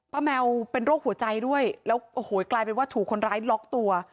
แมวเป็นโรคหัวใจด้วยแล้วโอ้โหกลายเป็นว่าถูกคนร้ายล็อกตัว